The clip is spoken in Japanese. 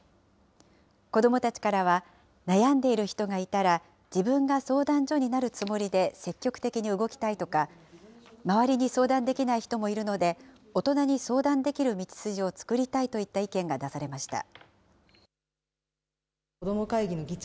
子どもたちからは、悩んでいる人がいたら、自分が相談所になるつもりで積極的に動きたいとか、周りに相談できない人もいるので、大人に相談できる道筋を作りたいといった意見が出されました。